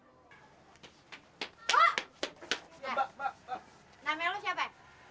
lu mau kaget jadi laki gua